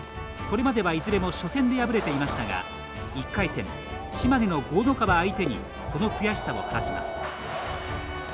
これまでは、いずれも初戦で敗れていましたが１回戦、島根の江の川相手にその悔しさを晴らします。